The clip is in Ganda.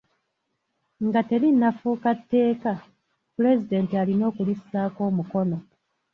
Nga terinnafuuka tteeka, pulezidenti alina okulissaako omukono.